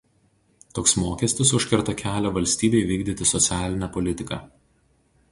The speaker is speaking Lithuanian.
Toks mokestis užkerta kelią valstybei vykdyti socialinę politiką.